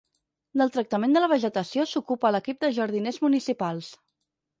Del tractament de la vegetació s'ocupa l'equip de jardiners municipal.